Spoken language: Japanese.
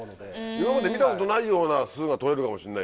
今まで見たことないような巣が撮れるかもしれないよね。